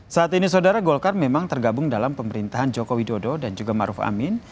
saat ini saudara golkar memang tergabung dalam pemerintahan joko widodo dan juga maruf amin